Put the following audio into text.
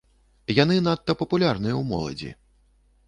Яны надта папулярныя ў моладзі.